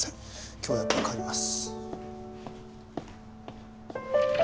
今日はやっぱり帰ります。